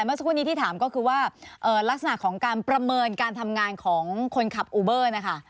เมื่อสักครู่นี้ที่ถามก็คือว่าลักษณะของการประเมินการทำงานของคนขับอูเบอร์นะคะ